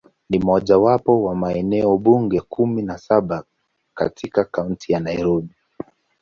Ni mojawapo wa maeneo bunge kumi na saba katika Kaunti ya Nairobi.